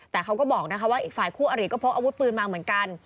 แต่เขาก็บอกนะคะว่าอีกฝ่ายคู่อริก็พกอาวุธปืนมาเหมือนกัน